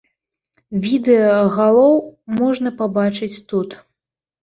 Відэа галоў можна пабачыць тут.